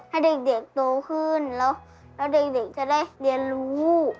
ให้เด็กโตขึ้นแล้วเด็กจะได้เรียนรู้